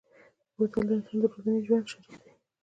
بوتل د انسان د ورځني ژوند شریک دی.